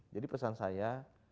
jadi pesan saya